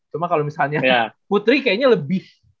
cuma kalau misalnya putri kayaknya lebih